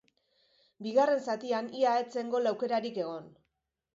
Bigarren zatian ia ez zen gol aukerarik egon.